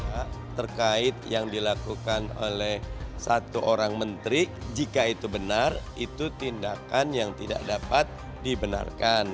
ya terkait yang dilakukan oleh satu orang menteri jika itu benar itu tindakan yang tidak dapat dibenarkan